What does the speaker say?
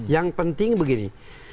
yang penting begini